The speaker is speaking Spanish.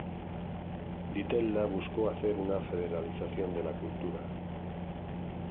Di Tella busco hacer una "federalización de la cultura".